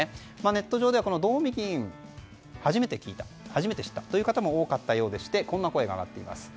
ネット上では道見議員初めて聞いた、知ったという方も多かったようでしてこんな声も上がっています。